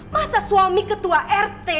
masa suami ketua rt